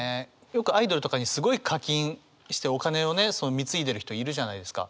よくアイドルとかにすごい課金してお金を貢いでる人いるじゃないですか。